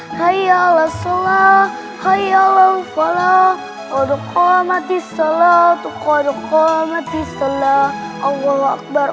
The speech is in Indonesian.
khayyala sholat khayyala ufalat wadukkala mati salatu qadukkala mati salat allah akbar